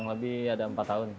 sekitar empat tahun